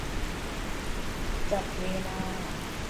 จัดเวลา